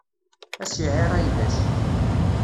Ad s-iεir ayla-s.